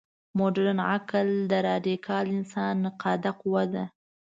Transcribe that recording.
مډرن عقل د راډیکال انسان نقاده قوه ده.